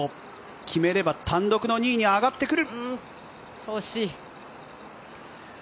決めれば単独の２位に上がってくる。